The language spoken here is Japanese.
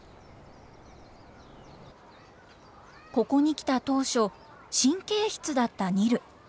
ここに来た当初神経質だったニル。